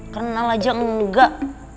kenal aja enggak